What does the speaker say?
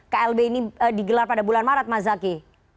klb ini digelar pada bulan maret mas zaky